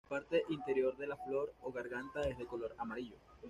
La parte interior de la flor o garganta es de color amarillo.